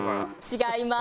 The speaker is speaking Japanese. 違います。